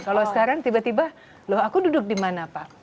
kalau sekarang tiba tiba loh aku duduk di mana pak